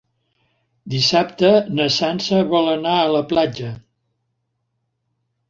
Dissabte na Sança vol anar a la platja.